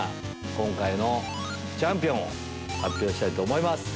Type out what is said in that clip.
今回のチャンピオンを発表したいと思います。